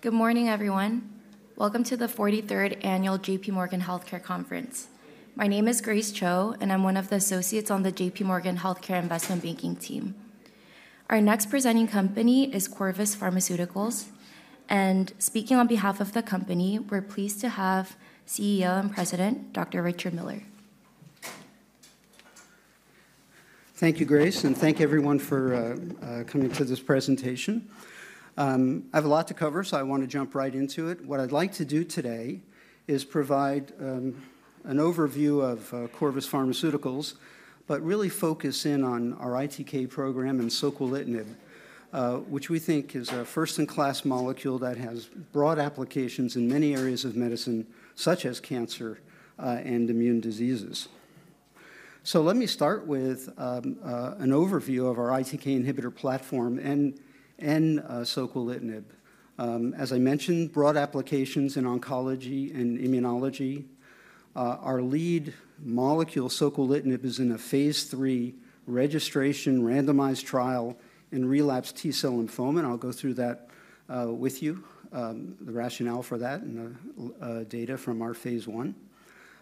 Good morning, everyone. Welcome to the 43rd Annual J.P. Morgan Healthcare Conference. My name is Grace Cho, and I'm one of the associates on the J.P. Morgan Healthcare Investment Banking team. Our next presenting company is Corvus Pharmaceuticals, and speaking on behalf of the company, we're pleased to have CEO and President Dr. Richard Miller. Thank you, Grace, and thank everyone for coming to this presentation. I have a lot to cover, so I want to jump right into it. What I'd like to do today is provide an overview of Corvus Pharmaceuticals, but really focus in on our ITK program and soquelitinib, which we think is a first-in-class molecule that has broad applications in many areas of medicine, such as cancer and immune diseases. So let me start with an overview of our ITK inhibitor platform and soquelitinib. As I mentioned, broad applications in oncology and immunology. Our lead molecule, soquelitinib, is in a phase III registration, randomized trial in relapsed T-cell lymphoma, and I'll go through that with you, the rationale for that and the data from our phase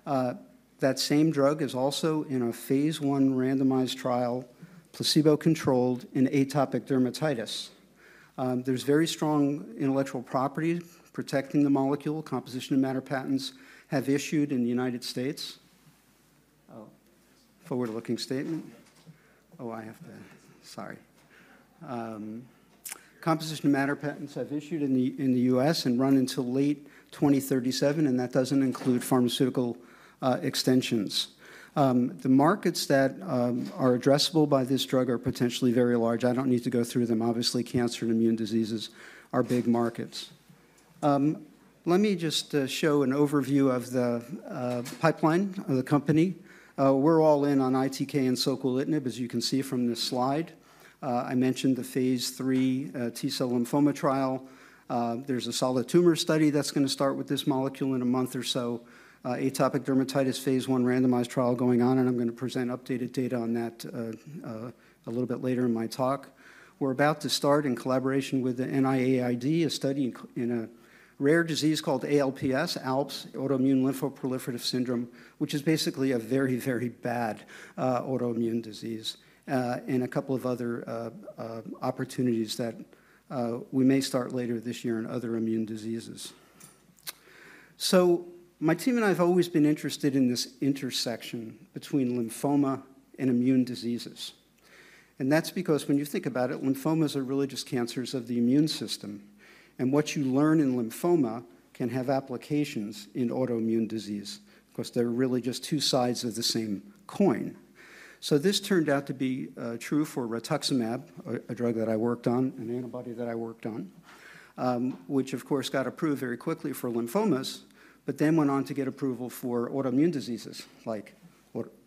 I. That same drug is also in a phase I randomized trial, placebo-controlled in atopic dermatitis. There's very strong intellectual properties protecting the molecule. Composition of Matter Patents have issued in the U.S. and run until late 2037, and that doesn't include pharmaceutical extensions. The markets that are addressable by this drug are potentially very large. I don't need to go through them. Obviously, cancer and immune diseases are big markets. Let me just show an overview of the pipeline of the company. We're all in on ITK and soquelitinib, as you can see from this slide. I mentioned the phase III T-cell lymphoma trial. There's a solid tumor study that's going to start with this molecule in a month or so. Atopic dermatitis phase I randomized trial going on, and I'm going to present updated data on that a little bit later in my talk. We're about to start in collaboration with the NIAID a study in a rare disease called ALPS, ALPS, Autoimmune Lymphoproliferative Syndrome, which is basically a very, very bad autoimmune disease, and a couple of other opportunities that we may start later this year in other immune diseases. So my team and I have always been interested in this intersection between lymphoma and immune diseases. And that's because when you think about it, lymphomas are malignancies of the immune system. And what you learn in lymphoma can have applications in autoimmune disease, because they're really just two sides of the same coin. This turned out to be true for rituximab, a drug that I worked on, an antibody that I worked on, which, of course, got approved very quickly for lymphomas, but then went on to get approval for autoimmune diseases like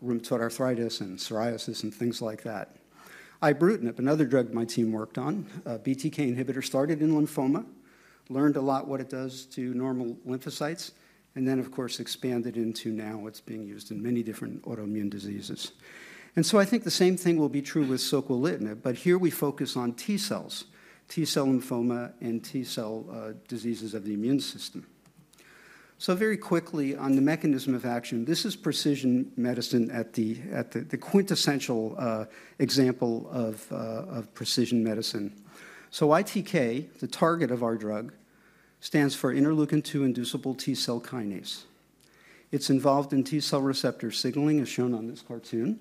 rheumatoid arthritis and psoriasis and things like that. ibrutinib is another drug my team worked on. BTK inhibitor started in lymphoma, learned a lot what it does to normal lymphocytes, and then, of course, expanded into now it's being used in many different autoimmune diseases. I think the same thing will be true with soquelitinib, but here we focus on T-cells, T-cell lymphoma, and T-cell diseases of the immune system. Very quickly on the mechanism of action, this is precision medicine at the quintessential example of precision medicine. ITK, the target of our drug, stands for Interleukin-2 Inducible T-Cell Kinase. It's involved in T-cell receptor signaling, as shown on this cartoon.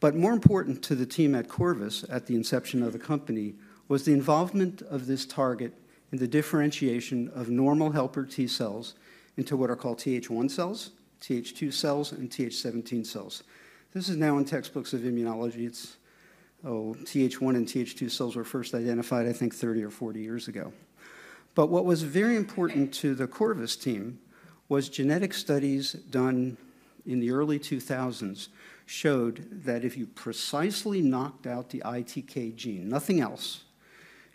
But more important to the team at Corvus at the inception of the company was the involvement of this target in the differentiation of normal helper T-cells into what are called Th1 cells, Th2 cells, and Th17 cells. This is now in textbooks of immunology. Th1 and Th2 cells were first identified, I think, 30 or 40 years ago. But what was very important to the Corvus team was genetic studies done in the early 2000s showed that if you precisely knocked out the ITK gene, nothing else,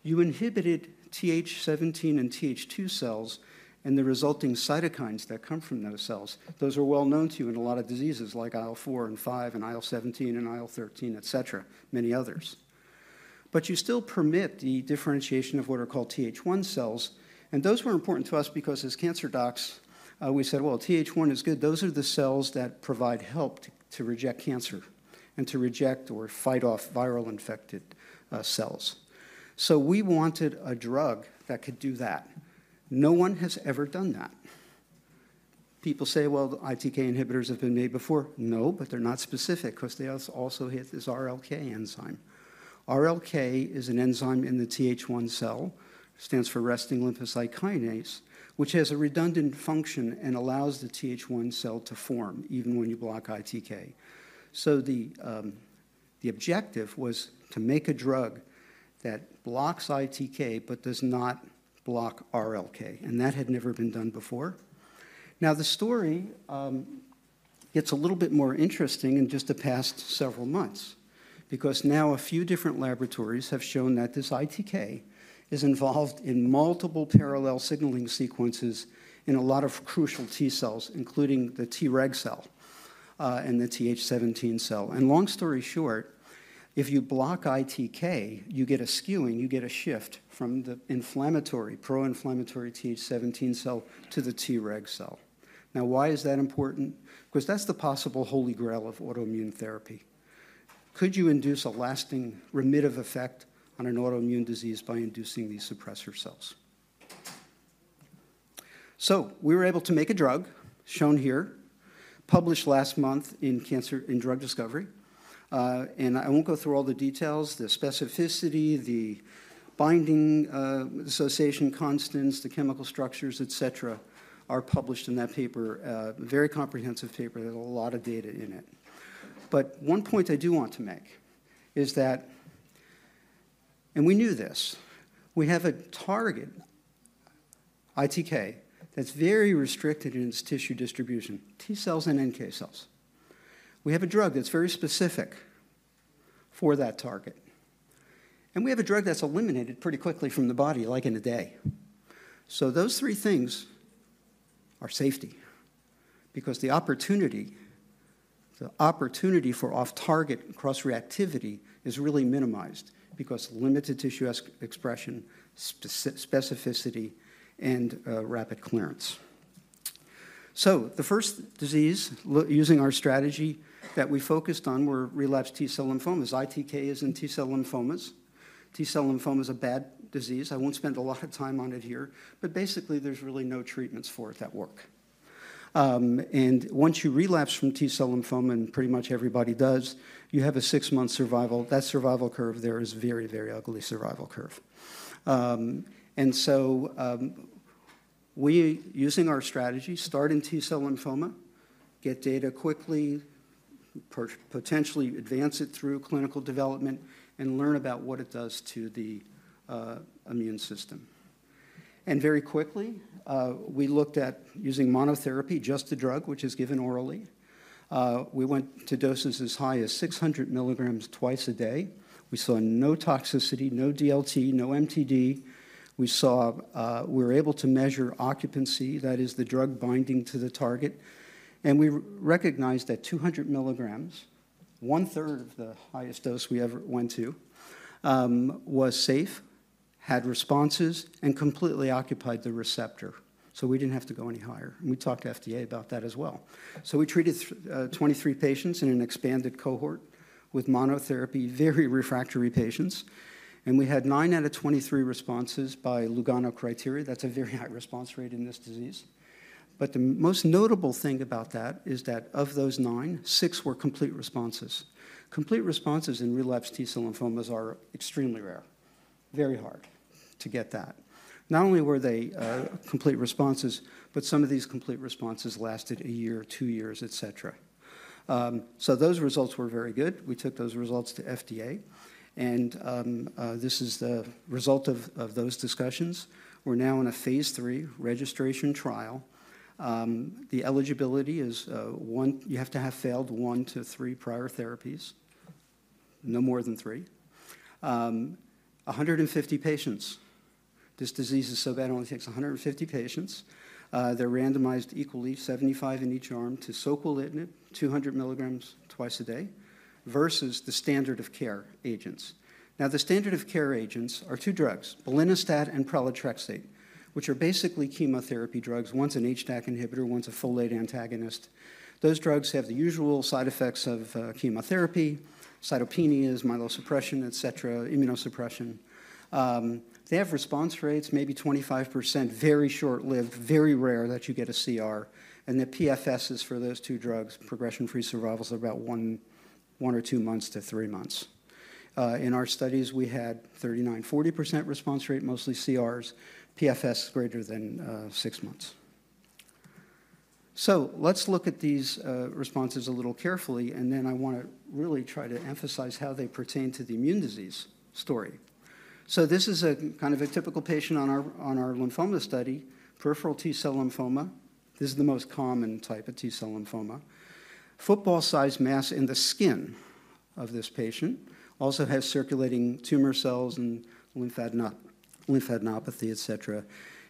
you inhibited Th17 and Th2 cells and the resulting cytokines that come from those cells. Those are well known to you in a lot of diseases like IL-4 and IL-5 and IL-17 and IL-13, et cetera, many others. But you still permit the differentiation of what are called Th1 cells. And those were important to us because, as cancer docs, we said, well, Th1 is good. Those are the cells that provide help to reject cancer and to reject or fight off viral-infected cells. So we wanted a drug that could do that. No one has ever done that. People say, well, ITK inhibitors have been made before. No, but they're not specific because they also hit this RLK enzyme. RLK is an enzyme in the Th1 cell, stands for resting lymphocyte kinase, which has a redundant function and allows the Th1 cell to form even when you block ITK. So the objective was to make a drug that blocks ITK but does not block RLK. And that had never been done before. Now, the story gets a little bit more interesting in just the past several months, because now a few different laboratories have shown that this ITK is involved in multiple parallel signaling sequences in a lot of crucial T-cells, including the Treg cell and the Th17 cell, and long story short, if you block ITK, you get a skewing. You get a shift from the inflammatory, pro-inflammatory Th17 cell to the Treg cell. Now, why is that important? Because that's the possible holy grail of autoimmune therapy. Could you induce a lasting remission effect on an autoimmune disease by inducing these suppressor cells, so we were able to make a drug shown here, published last month in Cancer Discovery, and I won't go through all the details. The specificity, the binding association constants, the chemical structures, et cetera, are published in that paper, a very comprehensive paper with a lot of data in it. But one point I do want to make is that, and we knew this, we have a target ITK that's very restricted in its tissue distribution, T-cells and NK cells. We have a drug that's very specific for that target. And we have a drug that's eliminated pretty quickly from the body, like in a day. So those three things are safety, because the opportunity for off-target cross-reactivity is really minimized because of limited tissue expression, specificity, and rapid clearance. So the first disease using our strategy that we focused on were relapsed T-cell lymphomas. ITK is in T-cell lymphomas. T-cell lymphoma is a bad disease. I won't spend a lot of time on it here, but basically, there's really no treatments for it that work. And once you relapse from T-cell lymphoma, and pretty much everybody does, you have a six-month survival. That survival curve there is a very, very ugly survival curve. And so we, using our strategy, start in T-cell lymphoma, get data quickly, potentially advance it through clinical development, and learn about what it does to the immune system. And very quickly, we looked at using monotherapy, just the drug, which is given orally. We went to doses as high as 600 milligrams twice a day. We saw no toxicity, no DLT, no MTD. We were able to measure occupancy, that is, the drug binding to the target. And we recognized that 200 milligrams, one-third of the highest dose we ever went to, was safe, had responses, and completely occupied the receptor. We didn't have to go any higher. We talked to FDA about that as well. We treated 23 patients in an expanded cohort with monotherapy, very refractory patients. We had 9 out of 23 responses by Lugano criteria. That's a very high response rate in this disease. The most notable thing about that is that of those 9, 6 were complete responses. Complete responses in relapsed T-cell lymphomas are extremely rare, very hard to get that. Not only were they complete responses, but some of these complete responses lasted a year, two years, et cetera. Those results were very good. We took those results to FDA. This is the result of those discussions. We're now in a phase III registration trial. The eligibility is you have to have failed one to three prior therapies, no more than three. 150 patients. This disease is so bad it only takes 150 patients. They're randomized equally, 75 in each arm, to soquelitinib, 200 milligrams twice a day versus the standard of care agents. Now, the standard of care agents are two drugs, belinostat and pralatrexate, which are basically chemotherapy drugs. One's an HDAC inhibitor, one's a folate antagonist. Those drugs have the usual side effects of chemotherapy, cytopenias, myelosuppression, et cetera, immunosuppression. They have response rates, maybe 25%, very short-lived, very rare that you get a CR, and the PFSs for those two drugs, progression-free survival, are about one or two months to three months. In our studies, we had 39-40% response rate, mostly CRs, PFS greater than six months, so let's look at these responses a little carefully, and then I want to really try to emphasize how they pertain to the immune disease story. So this is a kind of a typical patient on our lymphoma study, peripheral T-cell lymphoma. This is the most common type of T-cell lymphoma. Football-sized mass in the skin of this patient also has circulating tumor cells and lymphadenopathy, et cetera,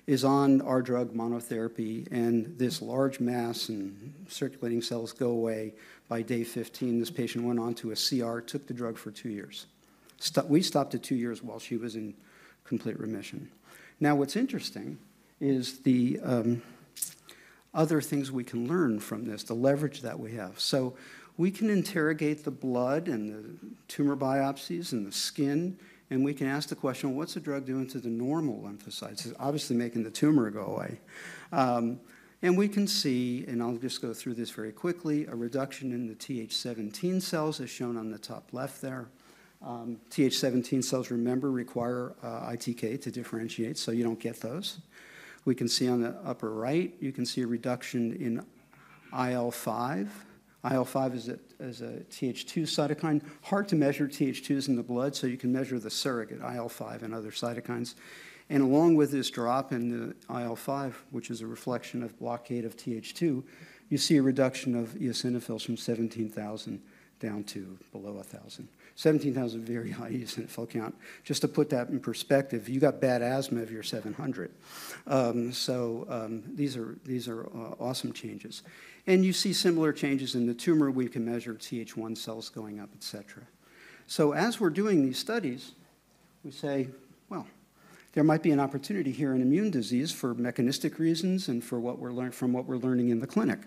is on our drug monotherapy. And this large mass and circulating cells go away by day 15. This patient went on to a CR, took the drug for two years. We stopped at two years while she was in complete remission. Now, what's interesting is the other things we can learn from this, the leverage that we have. So we can interrogate the blood and the tumor biopsies and the skin, and we can ask the question, what's the drug doing to the normal lymphocytes? It's obviously making the tumor go away. We can see, and I'll just go through this very quickly, a reduction in the Th17 cells as shown on the top left there. Th17 cells, remember, require ITK to differentiate, so you don't get those. We can see on the upper right, you can see a reduction in IL-5. IL-5 is a Th2 cytokine. Hard to measure Th2s in the blood, so you can measure the surrogate, IL-5, and other cytokines. Along with this drop in the IL-5, which is a reflection of blockade of Th2, you see a reduction of eosinophils from 17,000 down to below 1,000. 17,000 is a very high eosinophil count. Just to put that in perspective, you got bad asthma if you're 700. These are awesome changes. You see similar changes in the tumor. We can measure Th1 cells going up, et cetera. So as we're doing these studies, we say, well, there might be an opportunity here in immune disease for mechanistic reasons and from what we're learning in the clinic.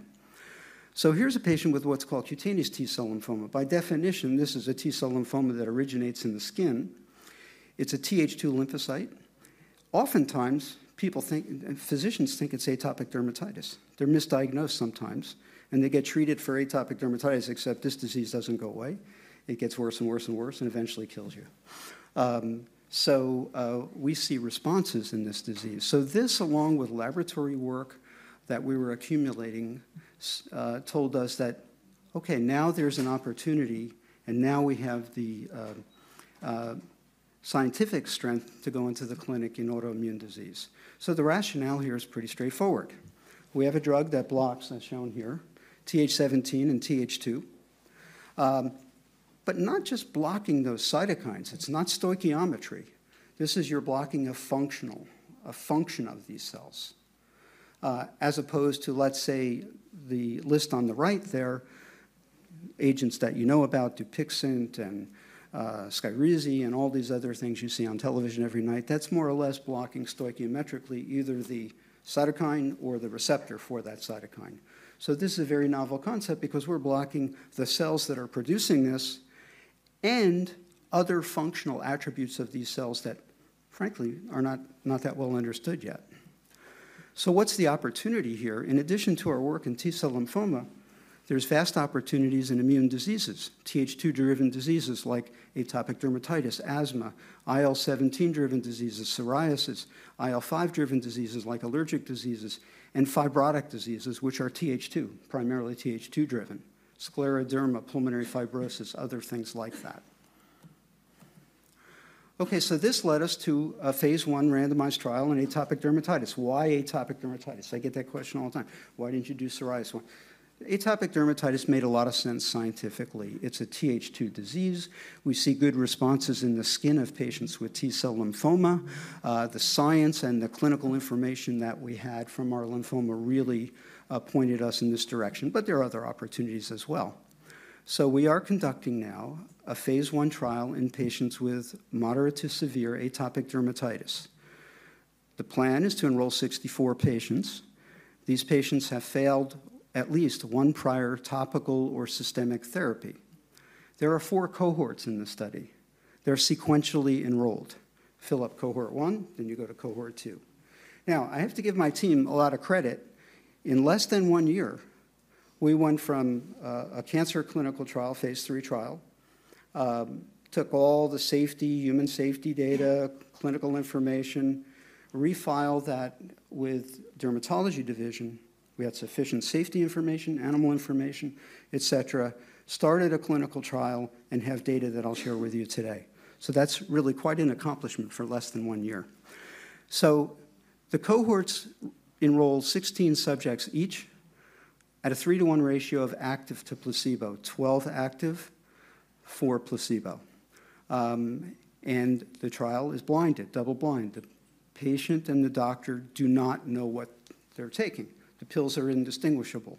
So here's a patient with what's called cutaneous T-cell lymphoma. By definition, this is a T-cell lymphoma that originates in the skin. It's a Th2 lymphocyte. Oftentimes, people think, physicians think it's atopic dermatitis. They're misdiagnosed sometimes, and they get treated for atopic dermatitis, except this disease doesn't go away. It gets worse and worse and worse and eventually kills you. So we see responses in this disease. So this, along with laboratory work that we were accumulating, told us that, okay, now there's an opportunity, and now we have the scientific strength to go into the clinic in autoimmune disease. So the rationale here is pretty straightforward. We have a drug that blocks, as shown here, Th17 and Th2. But not just blocking those cytokines. It's not stoichiometry. This is your blocking of function of these cells, as opposed to, let's say, the list on the right there, agents that you know about, Dupixent and Skyrizi and all these other things you see on television every night. That's more or less blocking stoichiometrically either the cytokine or the receptor for that cytokine. So this is a very novel concept because we're blocking the cells that are producing this and other functional attributes of these cells that, frankly, are not that well understood yet. So what's the opportunity here? In addition to our work in T-cell lymphoma, there's vast opportunities in immune diseases, Th2-driven diseases like atopic dermatitis, asthma, IL-17-driven diseases, psoriasis, IL-5-driven diseases like allergic diseases, and fibrotic diseases, which are Th2, primarily Th2-driven, scleroderma, pulmonary fibrosis, other things like that. Okay, so this led us to a phase I randomized trial in atopic dermatitis. Why atopic dermatitis? I get that question all the time. Why didn't you do psoriasis one? Atopic dermatitis made a lot of sense scientifically. It's a Th2 disease. We see good responses in the skin of patients with T-cell lymphoma. The science and the clinical information that we had from our lymphoma really pointed us in this direction. But there are other opportunities as well. So we are conducting now a phase I trial in patients with moderate to severe atopic dermatitis. The plan is to enroll 64 patients. These patients have failed at least one prior topical or systemic therapy. There are four cohorts in this study. They're sequentially enrolled. Fill up cohort one, then you go to cohort two. Now, I have to give my team a lot of credit. In less than one year, we went from a cancer clinical trial, phase III trial, took all the safety, human safety data, clinical information, refiled that with dermatology division. We had sufficient safety information, animal information, et cetera, started a clinical trial, and have data that I'll share with you today, so that's really quite an accomplishment for less than one year, so the cohorts enrolled 16 subjects each at a three-to-one ratio of active to placebo, 12 active, four placebo, and the trial is blinded, double-blind. The patient and the doctor do not know what they're taking. The pills are indistinguishable.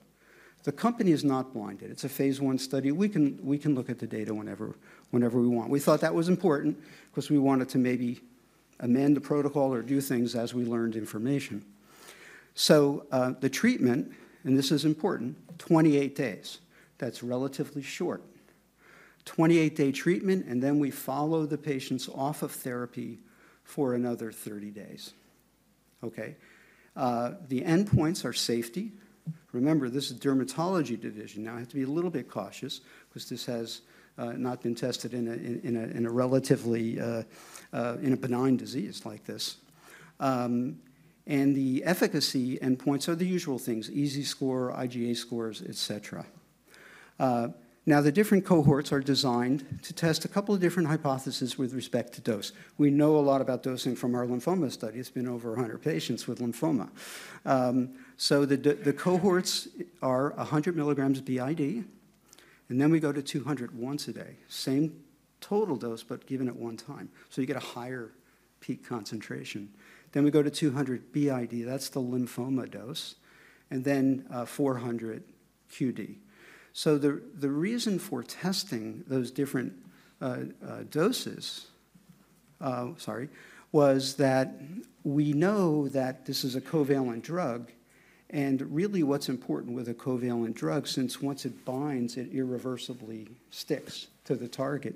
The company is not blinded. It's a phase I study. We can look at the data whenever we want. We thought that was important because we wanted to maybe amend the protocol or do things as we learned information, so the treatment, and this is important, 28 days. That's relatively short. 28-day treatment, and then we follow the patients off of therapy for another 30 days. Okay? The endpoints are safety. Remember, this is dermatology division. Now, I have to be a little bit cautious because this has not been tested in a relatively benign disease like this, and the efficacy endpoints are the usual things, EASI score, IGA scores, et cetera. Now, the different cohorts are designed to test a couple of different hypotheses with respect to dose. We know a lot about dosing from our lymphoma study. It's been over 100 patients with lymphoma. So the cohorts are 100 milligrams b.i.d., and then we go to 200 once a day, same total dose, but given at one time. So you get a higher peak concentration, then we go to 200 b.i.d. That's the lymphoma dose, and then 400 q.d. The reason for testing those different doses, sorry, was that we know that this is a covalent drug. Really, what's important with a covalent drug, since once it binds, it irreversibly sticks to the target.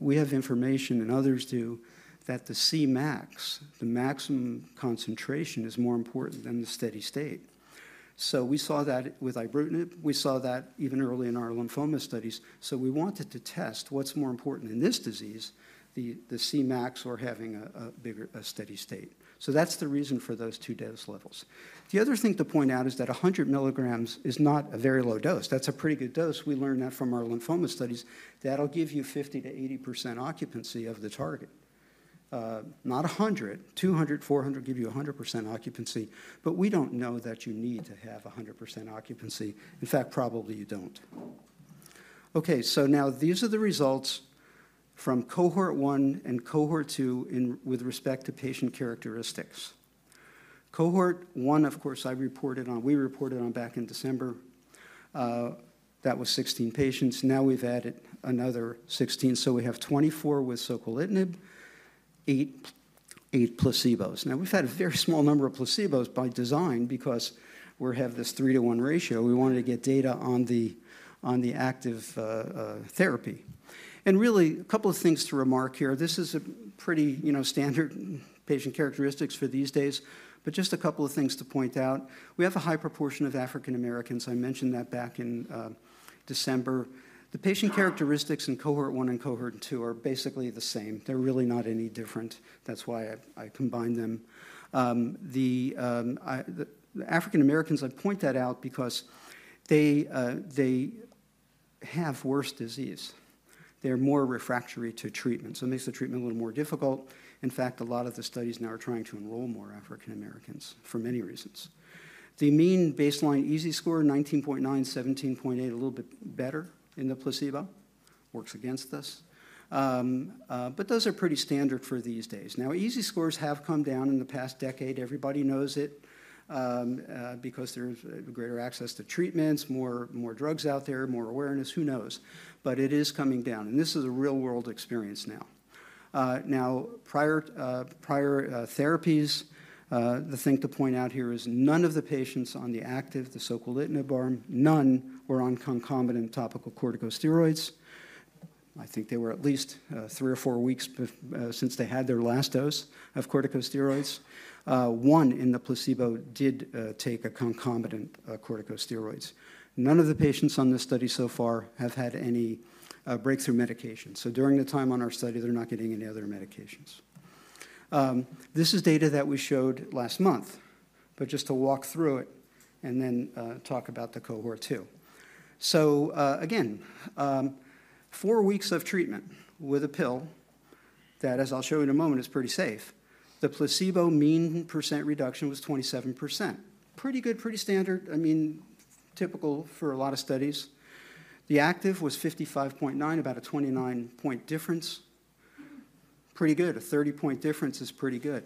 We have information, and others do, that the Cmax, the maximum concentration, is more important than the steady state. We saw that with ibrutinib. We saw that even early in our lymphoma studies. We wanted to test what's more important in this disease, the Cmax or having a steady state. That's the reason for those two dose levels. The other thing to point out is that 100 milligrams is not a very low dose. That's a pretty good dose. We learned that from our lymphoma studies. That'll give you 50%-80% occupancy of the target. Not 100%. 200, 400 give you 100% occupancy. But we don't know that you need to have 100% occupancy. In fact, probably you don't. Okay, so now these are the results from cohort one and cohort two with respect to patient characteristics. Cohort one, of course, we reported on back in December. That was 16 patients. Now we've added another 16. So we have 24 with soquelitinib, eight placebos. Now, we've had a very small number of placebos by design because we have this three-to-one ratio. We wanted to get data on the active therapy. And really, a couple of things to remark here. This is a pretty standard patient characteristics for these days. But just a couple of things to point out. We have a high proportion of African Americans. I mentioned that back in December. The patient characteristics in cohort one and cohort two are basically the same. They're really not any different. That's why I combined them. The African Americans, I point that out because they have worse disease. They're more refractory to treatment. So it makes the treatment a little more difficult. In fact, a lot of the studies now are trying to enroll more African Americans for many reasons. The mean baseline EASI score, 19.9, 17.8, a little bit better in the placebo. Works against us. But those are pretty standard for these days. Now, EASI scores have come down in the past decade. Everybody knows it because there's greater access to treatments, more drugs out there, more awareness. Who knows? But it is coming down, and this is a real-world experience now. Now, prior therapies, the thing to point out here is none of the patients on the active, the soquelitinib arm, none were on concomitant topical corticosteroids. I think they were at least three or four weeks since they had their last dose of corticosteroids. One in the placebo did take a concomitant corticosteroids. None of the patients on this study so far have had any breakthrough medication. So during the time on our study, they're not getting any other medications. This is data that we showed last month. But just to walk through it and then talk about the cohort two. So again, four weeks of treatment with a pill that, as I'll show you in a moment, is pretty safe. The placebo mean percent reduction was 27%. Pretty good, pretty standard. I mean, typical for a lot of studies. The active was 55.9, about a 29-point difference. Pretty good. A 30-point difference is pretty good,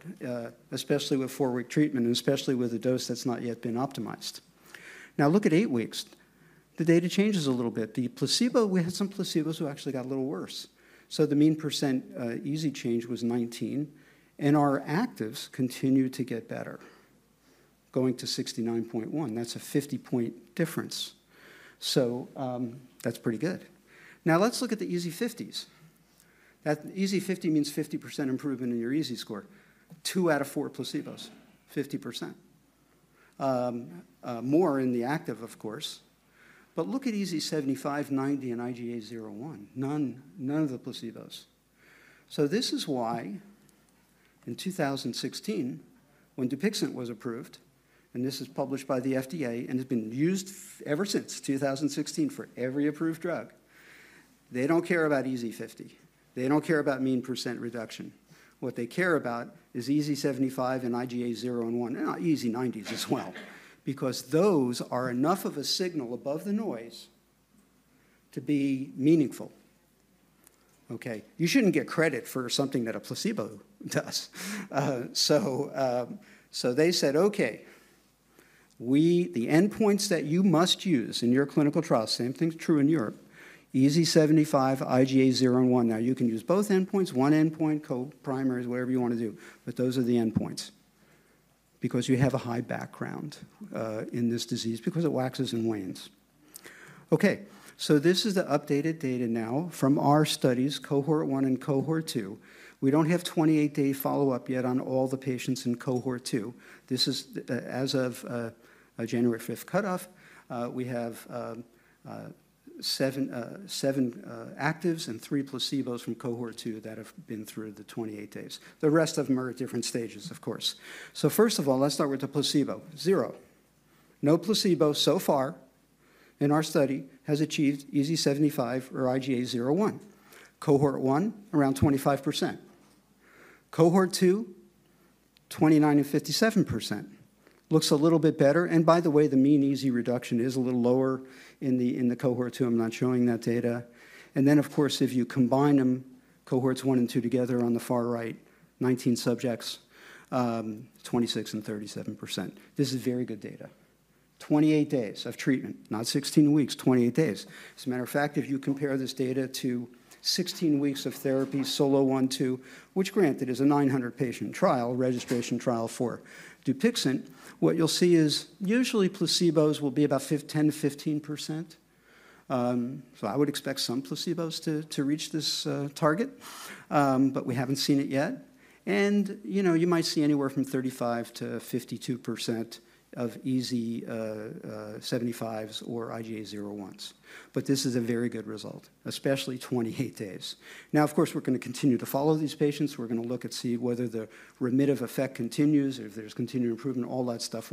especially with four-week treatment and especially with a dose that's not yet been optimized. Now, look at eight weeks. The data changes a little bit. We had some placebos who actually got a little worse. So the mean percent EASI change was 19%. And our actives continue to get better, going to 69.1%. That's a 50-point difference. So that's pretty good. Now, let's look at the EASI 50s. That EASI 50 means 50% improvement in your EASI score. Two out of four placebos, 50%. More in the active, of course. But look at EASI 75, 90, and IGA 0/1. None of the placebos. So this is why in 2016, when Dupixent was approved, and this is published by the FDA and has been used ever since 2016 for every approved drug, they don't care about EASI 50. They don't care about mean percent reduction. What they care about is EASI 75 and IGA 0/1. EASI 90s as well because those are enough of a signal above the noise to be meaningful. Okay? You shouldn't get credit for something that a placebo does. So they said, "Okay, the endpoints that you must use in your clinical trial," same thing's true in Europe, "EASI 75, IGA 0/1." Now, you can use both endpoints, one endpoint, co-primaries, whatever you want to do. But those are the endpoints because you have a high background in this disease because it waxes and wanes. Okay, so this is the updated data now from our studies, cohort one and cohort two. We don't have 28-day follow-up yet on all the patients in cohort two. This is as of January 5th cutoff. We have seven actives and three placebos from cohort two that have been through the 28 days. The rest of them are at different stages, of course. So first of all, let's start with the placebo. Zero. No placebo so far in our study has achieved EASI 75 or IGA 0/1. Cohort one, around 25%. Cohort two, 29% and 57%. Looks a little bit better. And by the way, the mean EASI reduction is a little lower in the cohort two. I'm not showing that data. And then, of course, if you combine them, cohorts one and two together on the far right, 19 subjects, 26% and 37%. This is very good data. 28 days of treatment, not 16 weeks, 28 days. As a matter of fact, if you compare this data to 16 weeks of therapy, SOLO 1, 2, which granted is a 900-patient trial, registration trial for Dupixent, what you'll see is usually placebos will be about 10% to 15%. So I would expect some placebos to reach this target. But we haven't seen it yet. And you might see anywhere from 35% to 52% of EASI 75s or IGA 0/1s. But this is a very good result, especially 28 days. Now, of course, we're going to continue to follow these patients. We're going to look and see whether the remissive effect continues or if there's continued improvement. All that stuff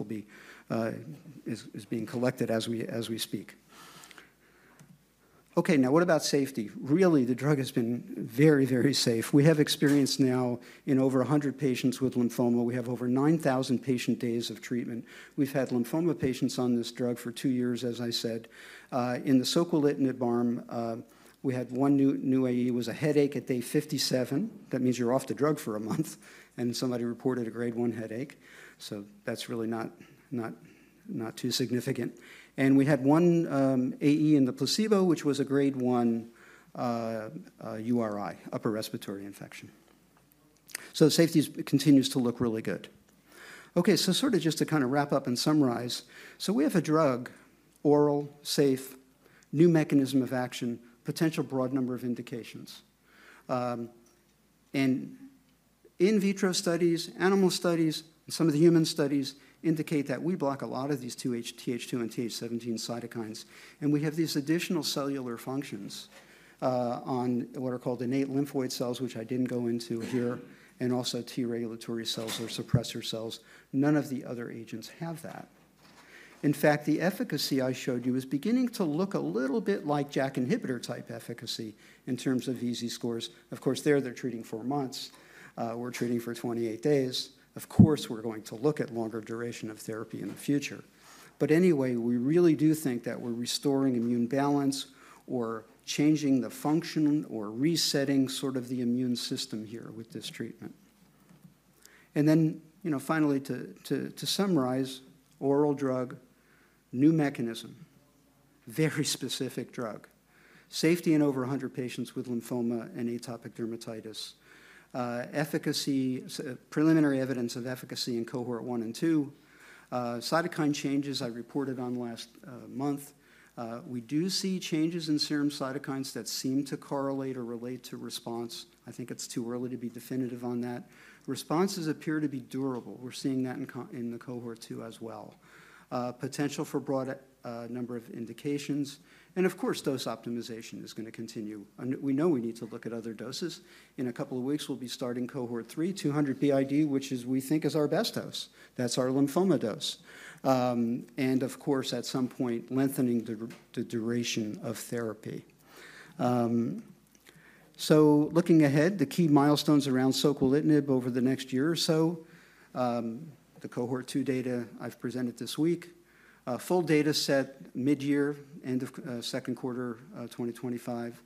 is being collected as we speak. Okay, now what about safety? Really, the drug has been very, very safe. We have experience now in over 100 patients with lymphoma. We have over 9,000 patient days of treatment. We've had lymphoma patients on this drug for two years, as I said. In the soquelitinib arm, we had one new AE. It was a headache at day 57. That means you're off the drug for a month. And somebody reported a grade one headache. So that's really not too significant. We had one AE in the placebo, which was a grade one URI, upper respiratory infection. Safety continues to look really good. Okay, sort of just to kind of wrap up and summarize. We have a drug, oral, safe, new mechanism of action, potential broad number of indications. In vitro studies, animal studies, and some of the human studies indicate that we block a lot of these Th2 and Th17 cytokines. We have these additional cellular functions on what are called innate lymphoid cells, which I didn't go into here, and also T regulatory cells or suppressor cells. None of the other agents have that. In fact, the efficacy I showed you is beginning to look a little bit like JAK inhibitor-type efficacy in terms of EASI scores. Of course, they're treating for months. We're treating for 28 days. Of course, we're going to look at longer duration of therapy in the future. But anyway, we really do think that we're restoring immune balance or changing the function or resetting sort of the immune system here with this treatment. And then finally, to summarize, oral drug, new mechanism, very specific drug. Safety in over 100 patients with lymphoma and atopic dermatitis. Preliminary evidence of efficacy in cohort one and two. Cytokine changes I reported on last month. We do see changes in serum cytokines that seem to correlate or relate to response. I think it's too early to be definitive on that. Responses appear to be durable. We're seeing that in the cohort two as well. Potential for broad number of indications. And of course, dose optimization is going to continue. We know we need to look at other doses. In a couple of weeks, we'll be starting cohort three, 200 b.i.d., which we think is our best dose. That's our lymphoma dose, and of course, at some point, lengthening the duration of therapy, so looking ahead, the key milestones around soquelitinib over the next year or so. The cohort two data I've presented this week. Full data set mid-year, end of second quarter 2025.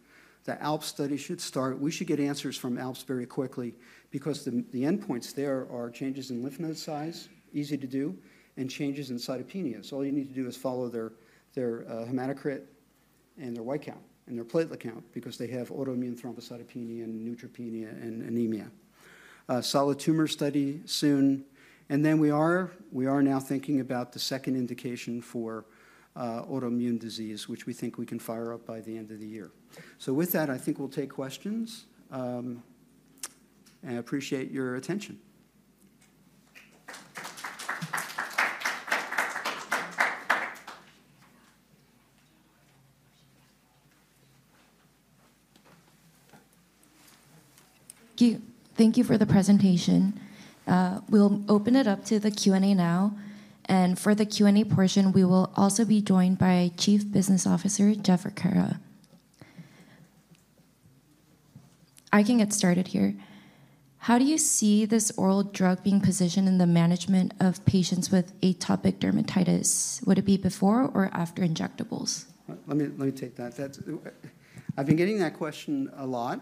The ALPS study should start. We should get answers from ALPS very quickly because the endpoints there are changes in lymph node size, easy to do, and changes in cytopenias. All you need to do is follow their hematocrit and their white count and their platelet count because they have autoimmune thrombocytopenia and neutropenia and anemia. Solid tumor study soon. And then we are now thinking about the second indication for autoimmune disease, which we think we can fire up by the end of the year. So with that, I think we'll take questions. And I appreciate your attention. Thank you for the presentation. We'll open it up to the Q&A now. And for the Q&A portion, we will also be joined by Chief Business Officer Jeff Arcara. I can get started here. How do you see this oral drug being positioned in the management of patients with atopic dermatitis? Would it be before or after injectables? Let me take that. I've been getting that question a lot.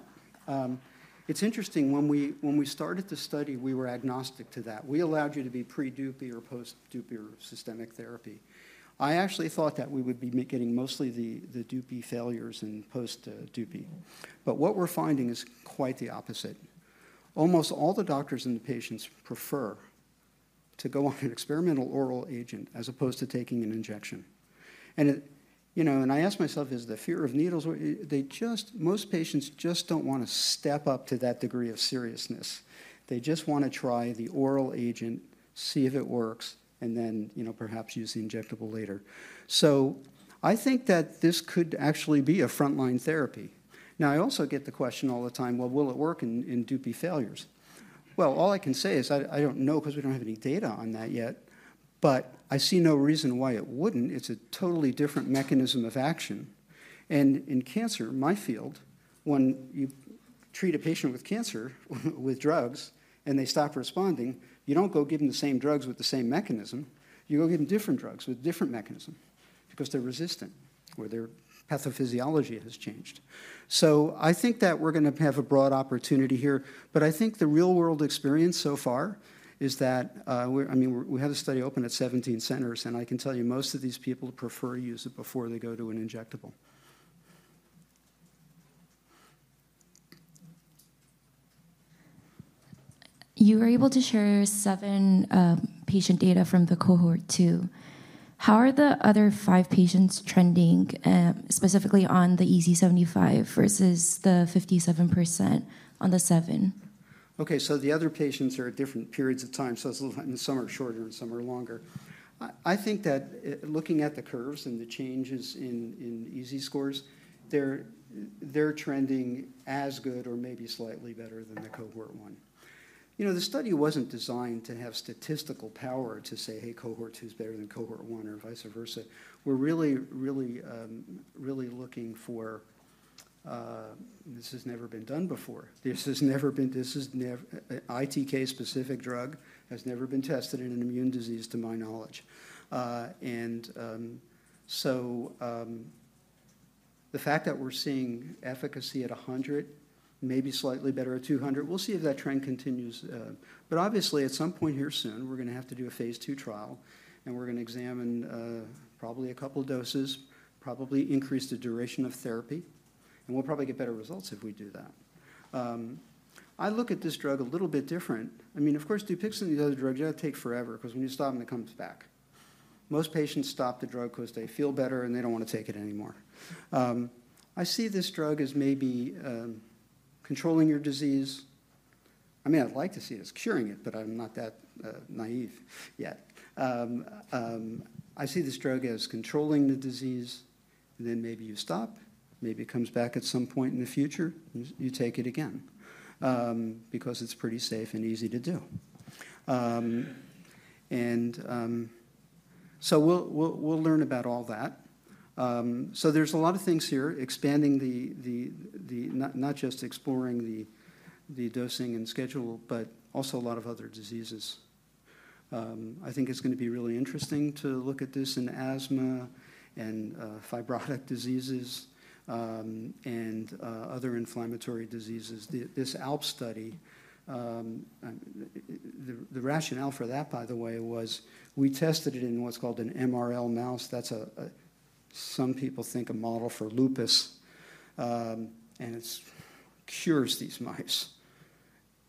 It's interesting. When we started the study, we were agnostic to that. We allowed you to be pre-Dupixent or post-Dupixent or systemic therapy. I actually thought that we would be getting mostly the Dupixent failures and post-Dupixent. But what we're finding is quite the opposite. Almost all the doctors and the patients prefer to go on an experimental oral agent as opposed to taking an injection. And I asked myself, is the fear of needles? Most patients just don't want to step up to that degree of seriousness. They just want to try the oral agent, see if it works, and then perhaps use the injectable later. So I think that this could actually be a frontline therapy. Now, I also get the question all the time, well, will it work in Dupixent failures? All I can say is I don't know because we don't have any data on that yet. But I see no reason why it wouldn't. It's a totally different mechanism of action. And in cancer, my field, when you treat a patient with cancer with drugs and they stop responding, you don't go give them the same drugs with the same mechanism. You go give them different drugs with different mechanisms because they're resistant or their pathophysiology has changed. So I think that we're going to have a broad opportunity here. But I think the real-world experience so far is that we have a study open at 17 centers. And I can tell you most of these people prefer to use it before they go to an injectable. You were able to share seven patient data from the cohort two. How are the other five patients trending, specifically on the EASI 75 versus the 57% on the seven? Okay, so the other patients are at different periods of time. So some are shorter and some are longer. I think that looking at the curves and the changes in EASI scores, they're trending as good or maybe slightly better than the cohort one. The study wasn't designed to have statistical power to say, "Hey, cohort two is better than cohort one or vice versa." We're really, really looking for this has never been done before. This has never been ITK-specific drug has never been tested in an immune disease, to my knowledge. And so the fact that we're seeing efficacy at 100, maybe slightly better at 200, we'll see if that trend continues. But obviously, at some point here soon, we're going to have to do a phase II trial. And we're going to examine probably a couple of doses, probably increase the duration of therapy. And we'll probably get better results if we do that. I look at this drug a little bit different. I mean, of course, Dupixent, the other drug, you got to take forever because when you stop it, it comes back. Most patients stop the drug because they feel better and they don't want to take it anymore. I see this drug as maybe controlling your disease. I mean, I'd like to see us curing it, but I'm not that naive yet. I see this drug as controlling the disease. Then maybe you stop. Maybe it comes back at some point in the future. You take it again because it's pretty safe and easy to do. And so we'll learn about all that. So there's a lot of things here, expanding not just exploring the dosing and schedule, but also a lot of other diseases. I think it's going to be really interesting to look at this in asthma and fibrotic diseases and other inflammatory diseases. This ALPS study, the rationale for that, by the way, was we tested it in what's called an MRL mouse. That's, some people think, a model for lupus, and it cures these mice,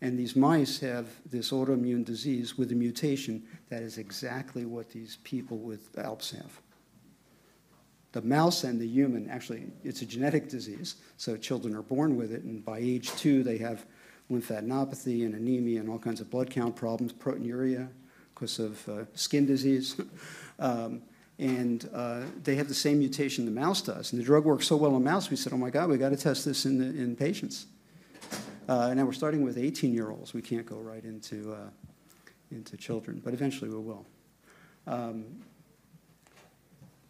and these mice have this autoimmune disease with a mutation that is exactly what these people with ALPS have. The mouse and the human, actually, it's a genetic disease, so children are born with it, and by age two, they have lymphadenopathy and anemia and all kinds of blood count problems, proteinuria because of skin disease, and they have the same mutation the mouse does, and the drug works so well in mouse, we said, "Oh my God, we got to test this in patients," and now we're starting with 18-year-olds. We can't go right into children. But eventually, we will.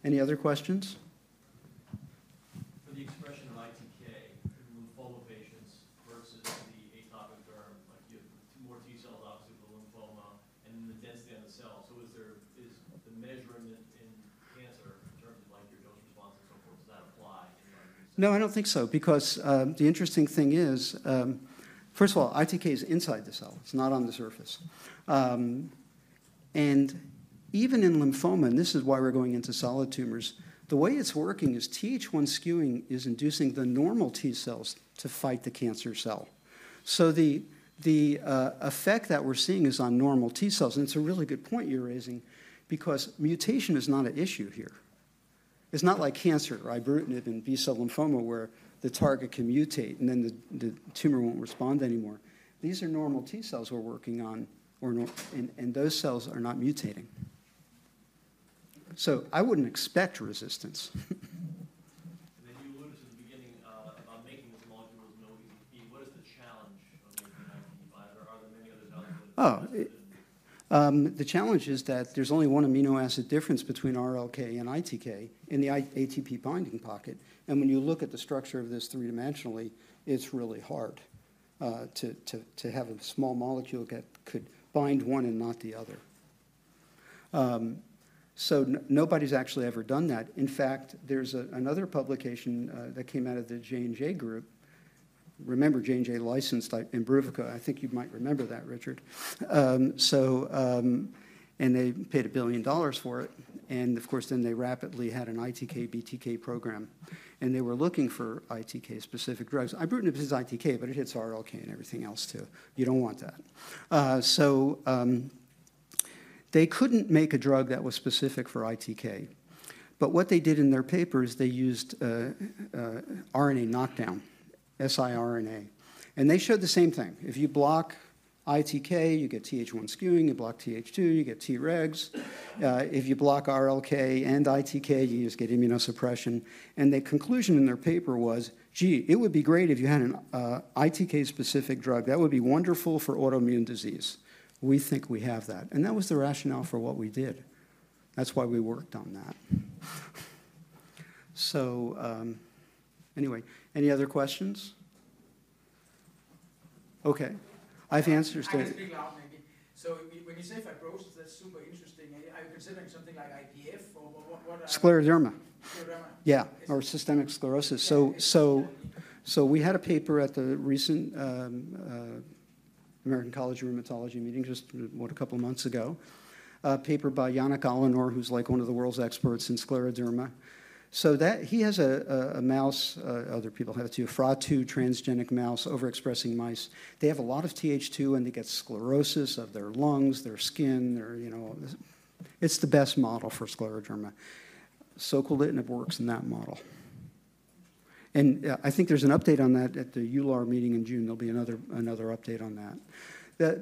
Any other questions? For the expression of ITK in lymphoma patients versus the atopic derm, like you have more T cells obviously with the lymphoma and then the density on the cell. So is the measurement in cancer in terms of like your dose response and so forth, does that apply in your? No, I don't think so because the interesting thing is, first of all, ITK is inside the cell. It's not on the surface. And even in lymphoma, and this is why we're going into solid tumors, the way it's working is Th1 skewing is inducing the normal T cells to fight the cancer cell. So the effect that we're seeing is on normal T cells. And it's a really good point you're raising because mutation is not an issue here. It's not like cancer, Ibrutinib and B-cell lymphoma where the target can mutate and then the tumor won't respond anymore. These are normal T cells we're working on. And those cells are not mutating. So I wouldn't expect resistance. And then you alluded to the beginning about making this molecule with no ATP. What is the challenge of making an ITK? Are there many other challenges? Oh, the challenge is that there's only one amino acid difference between RLK and ITK in the ATP binding pocket. And when you look at the structure of this three-dimensionally, it's really hard to have a small molecule that could bind one and not the other. So nobody's actually ever done that. In fact, there's another publication that came out of the J&J group. Remember J&J licensed Imbruvica? I think you might remember that, Richard. And they paid $1 billion for it. And of course, then they rapidly had an ITK/BTK program. And they were looking for ITK-specific drugs. ibrutinib is ITK, but it hits RLK and everything else too. You don't want that. So they couldn't make a drug that was specific for ITK. But what they did in their paper is they used RNA knockdown, siRNA. And they showed the same thing. If you block ITK, you get Th1 skewing. You block Th2, you get Tregs. If you block RLK and ITK, you just get immunosuppression. And the conclusion in their paper was, "Gee, it would be great if you had an ITK-specific drug. That would be wonderful for autoimmune disease. We think we have that." And that was the rationale for what we did. That's why we worked on that. So anyway, any other questions? Okay. I've answered it. So when you say fibrosis, that's super interesting. Are you considering something like IPF or what? Scleroderma. Scleroderma. Yeah, or systemic sclerosis. So we had a paper at the recent American College of Rheumatology meeting just a couple of months ago, a paper by Yannick Allanore, who's like one of the world's experts in scleroderma. So he has a mouse, other people have too, a FRA2 transgenic mouse, overexpressing mice. They have a lot of Th2 and they get sclerosis of their lungs, their skin. It's the best model for scleroderma. Soquelitinib works in that model. And I think there's an update on that at the EULAR meeting in June. There'll be another update on that.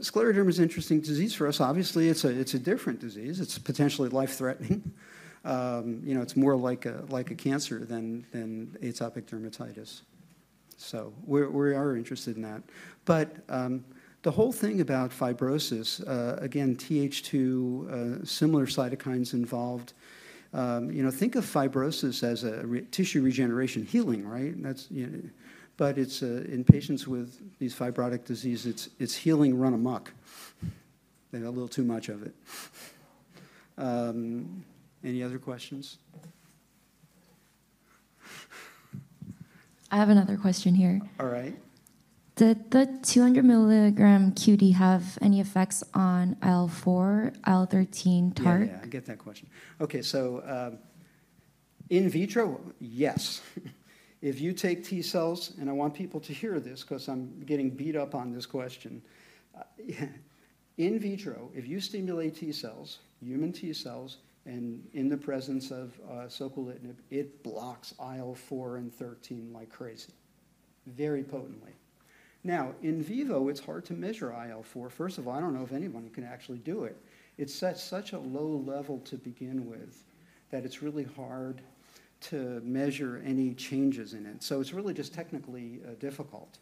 Scleroderma is an interesting disease for us. Obviously, it's a different disease. It's potentially life-threatening. It's more like a cancer than atopic dermatitis. So we are interested in that. But the whole thing about fibrosis, again, Th2, similar cytokines involved. Think of fibrosis as a tissue regeneration healing, right? But in patients with these fibrotic diseases, it's healing run amok. They have a little too much of it. Any other questions? I have another question here. All right. Did the 200 milligram have any effects on IL-4, IL-13 target? Yeah, I get that question. Okay, so in vitro, yes. If you take T cells, and I want people to hear this because I'm getting beat up on this question. In vitro, if you stimulate T cells, human T cells, and in the presence of soquelitinib, it blocks IL-4 and IL-13 like crazy, very potently. Now, in vivo, it's hard to measure IL-4. First of all, I don't know if anyone can actually do it. It's at such a low level to begin with that it's really hard to measure any changes in it. So it's really just technically difficult.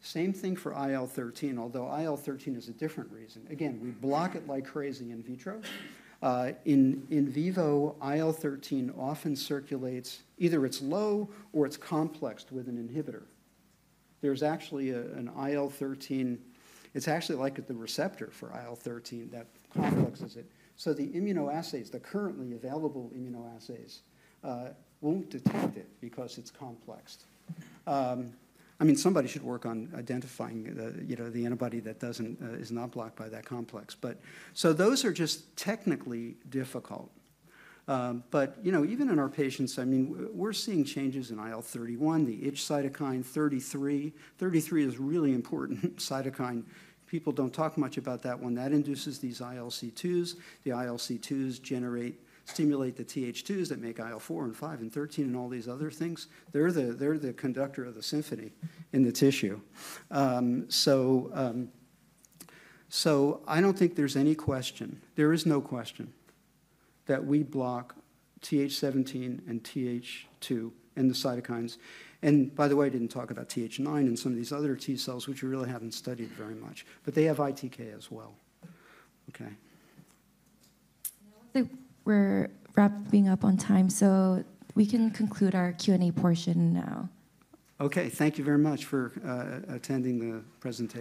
Same thing for IL-13, although IL-13 is a different reason. Again, we block it like crazy in vitro. In vivo, IL-13 often circulates. Either it's low or it's complexed with an inhibitor. There's actually an IL-13. It's actually like the receptor for IL-13 that complexes it. So the immunoassays, the currently available immunoassays, won't detect it because it's complexed. I mean, somebody should work on identifying the antibody that is not blocked by that complex. So those are just technically difficult. But even in our patients, I mean, we're seeing changes in IL-31, the itch cytokine, 33. 33 is a really important cytokine. People don't talk much about that one. That induces these ILC2s. The ILC2s stimulate the Th2s that make IL-4 and 5 and 13 and all these other things. They're the conductor of the symphony in the tissue. So I don't think there's any question. There is no question that we block Th17 and Th2 and the cytokines. And by the way, I didn't talk about Th9 and some of these other T cells, which we really haven't studied very much. But they have ITK as well. Okay. We're wrapping up on time. So we can conclude our Q&A portion now. Okay, thank you very much for attending the presentation.